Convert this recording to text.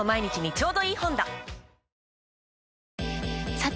さて！